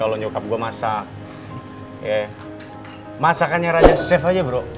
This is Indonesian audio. oke masakan yang rajas safe aja bro